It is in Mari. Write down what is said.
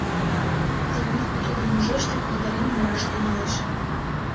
Темит тудым ужеш да койдарен мураш тӱҥалеш: